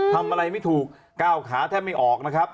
ทำอะไรไม่ถูกก้าวขาแทบไม่ออกนะครับ